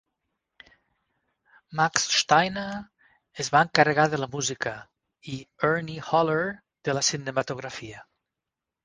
Max Steiner es va encarregar de la música i Ernie Haller de la cinematografia.